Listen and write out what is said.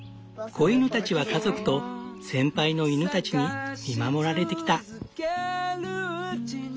子犬たちは家族と先輩の犬たちに見守られてきた。